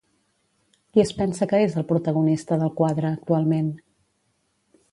Qui es pensa que és el protagonista del quadre actualment?